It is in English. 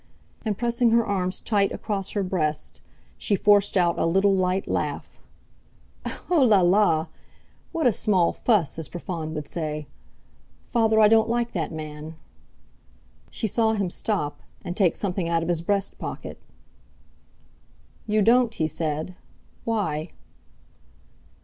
And pressing her arms tight across her breast she forced out a little light laugh. "O la! la! What a small fuss! as Profond would say. Father, I don't like that man." She saw him stop, and take something out of his breast pocket. "You don't?" he said. "Why?"